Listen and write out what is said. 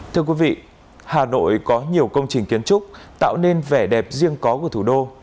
thưa quý vị hà nội có nhiều công trình kiến trúc tạo nên vẻ đẹp riêng có của thủ đô